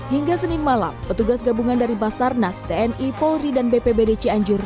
hingga senin malam petugas gabungan dari basarnas tni polri dan bpbd cianjur